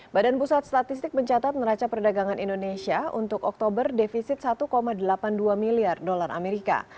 badan pusat statistik mencatat neraca perdagangan indonesia untuk oktober defisit satu delapan puluh dua miliar dolar amerika